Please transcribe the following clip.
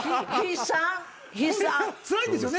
つらいんですよね？